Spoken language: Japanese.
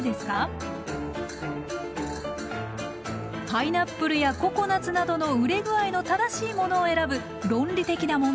パイナップルやココナツなどの熟れ具合の正しいものを選ぶ論理的な問題。